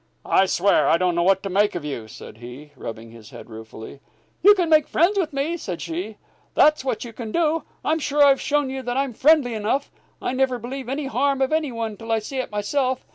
"I swear, I don't know what to make of you," said he, rubbing his head ruefully. "You can make friends with me," said she. "That's what you can do. I'm sure I've shown you that I'm friendly enough. I never believe any harm of any one till I see it myself.